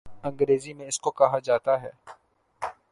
انگریزی میں اس کو کہا جاتا ہے